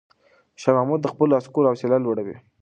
شاه محمود د خپلو عسکرو حوصله لوړوي.